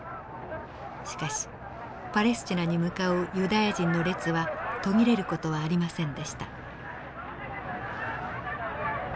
しかしパレスチナに向かうユダヤ人の列は途切れる事はありませんでした。